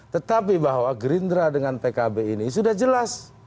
tetapi bahwa gerindra dengan pkb ini sudah jelas